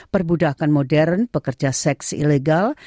perbudakan modern pekerja seks ilegal